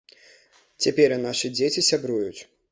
Цяпер і нашы дзеці сябруюць.